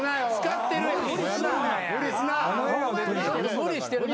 無理してるな。